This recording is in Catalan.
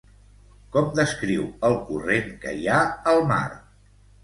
Com descriu el corrent que hi ha al mar?